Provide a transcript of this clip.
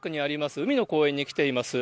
うみの公園に来ています。